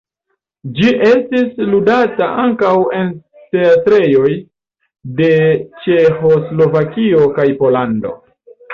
Ĝi estis ludata ankaŭ en teatroj de ĉeĥoslovakio kaj Pollando.